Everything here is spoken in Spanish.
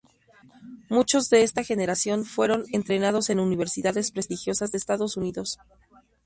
Muchos de esta generación fueron entrenados en universidades prestigiosas de Estados Unidos.